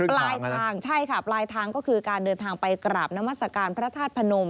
ปลายทางใช่ค่ะปลายทางก็คือการเดินทางไปกราบนามัศกาลพระธาตุพนม